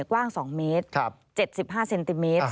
กว้าง๒เมตร๗๕เซนติเมตร